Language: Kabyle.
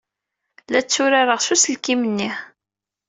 La tturareɣ s uselkim-nni.